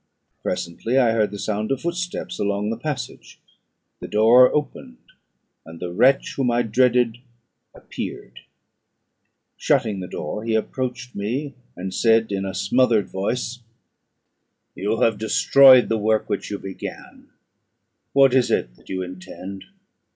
Presently I heard the sound of footsteps along the passage; the door opened, and the wretch whom I dreaded appeared. Shutting the door, he approached me, and said, in a smothered voice "You have destroyed the work which you began; what is it that you intend?